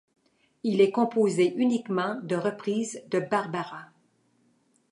Il est composé uniquement de reprises de Barbara.